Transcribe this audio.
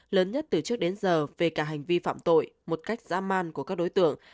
lớn nhất từ trước đến giờ về cả hành vi phạm tội một cách dã man của các đối tượng